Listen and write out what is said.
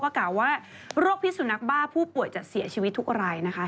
ก็กล่าวว่าโรคพิษสุนัขบ้าผู้ป่วยจะเสียชีวิตทุกอะไร